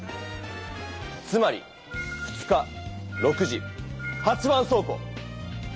つまり２日６時８番そう庫。